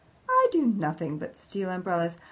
"I do nothing but steal umbrellas.